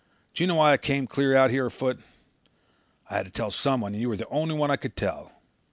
"Do you know why I came clear out here afoot? I had to tell someone and you were the only one I could tell.